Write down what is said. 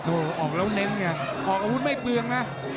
โอ้โหออกแล้วเน้นไงออกอาวุธไม่เปลืองนะ